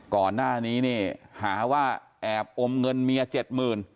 ก่อนหน้านี้เนี่ยหาว่าแอบอมเงินเมียเจ็ดหมื่น